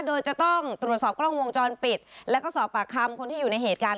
โดยจะต้องตรวจสอบกล้องวงจรปิดแล้วก็สอบปากคำคนที่อยู่ในเหตุการณ์